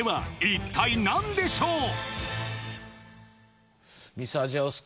一体何でしょうか？